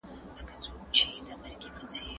زه مخکي ځواب ليکلی و؟!